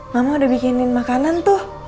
mama udah bikinin makanan tuh